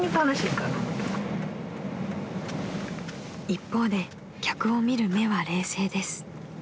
［一方で客を見る目は冷静です］